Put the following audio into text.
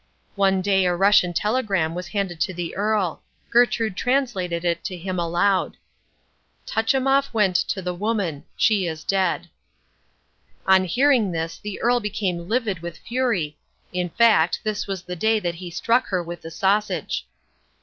One day a Russian telegram was handed to the Earl. Gertrude translated it to him aloud. "Tutchemoff went to the woman. She is dead." On hearing this the Earl became livid with fury, in fact this was the day that he struck her with the sausage.